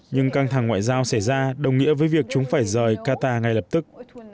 nhưng căng thẳng ngoại giao xảy ra đồng nghĩa với việc chúng phải rời qatar ngay lập tức